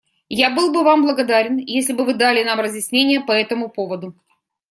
Я был бы Вам благодарен, если бы Вы дали нам разъяснения по этому поводу.